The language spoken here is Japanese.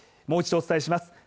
もう一度お伝えします